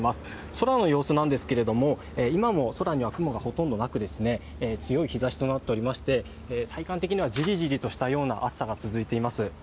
空の様子なんですけれども、今も空には雲がほとんどなく強い日ざしとなっておりまして、体感的にはじりじりとしたような暑さが続いています。